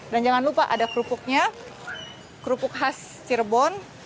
dan jangan lupa ada kerupuknya kerupuk khas cirebon